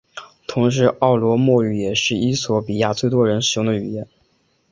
同时奥罗莫语也是衣索比亚最多人使用的语言。